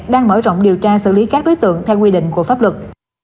đang mở rộng điều tra xử lý các đối tượng theo quy định của pháp luật